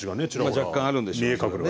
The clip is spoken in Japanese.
若干あるんでしょう。